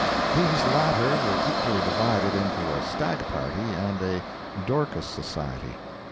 These latter were equally divided into a stag party and a Dorcas Society.